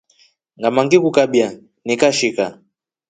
Ngama ngrkukabya nikashika.